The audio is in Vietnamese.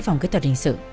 phòng kỹ thuật hình sự